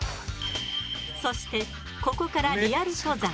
そしてここからリアル登山。